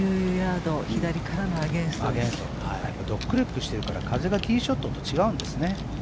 ドッグレッグしてるから風がティーショットと違うんですね。